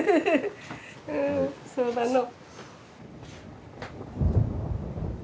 うんそうだの。